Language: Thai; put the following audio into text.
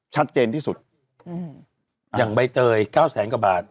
ชัดเจนที่สุดอย่างใบเตย๙แสนกว่าบาท